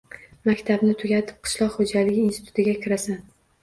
Maktabni tugatib, qishloq xo’jaligi institutiga kirasan.